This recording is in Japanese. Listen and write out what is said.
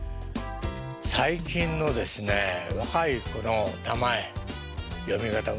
最近のですね若い子の名前読み方難しいですよね。